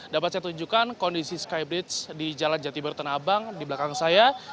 dapat saya tunjukkan kondisi skybridge di jalan jati baru tanah abang di belakang saya